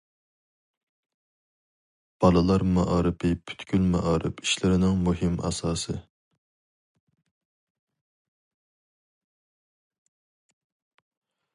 بالىلار مائارىپى پۈتكۈل مائارىپ ئىشلىرىنىڭ مۇھىم ئاساسى.